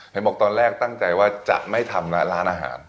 เห็นบอกตอนแรกตั้งใจว่าจะไม่ทำร้านอาหาร